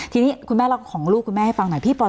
ทีนี้คุณแม่เล่าของลูกคุณแม่ให้ฟังหน่อยพี่ป๔